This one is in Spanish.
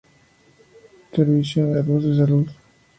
Servicio Andaluz de Salud